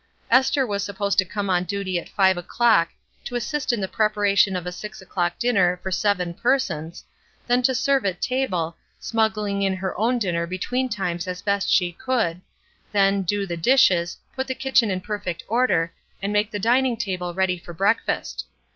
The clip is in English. Esther was supposed to come on duty at five o'clock to assist in the preparation of a six o'clock dinner for seven persons, then to serve at table, smuggling in her own dinner between times as best she could, then ''do the dishes," put the kitchen in perfect order, and make the dining table ready for breakfast.